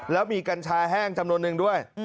แล้วมีกัญชาแห้งจำนวนนึงด้วย